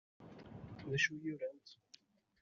D acu i urant?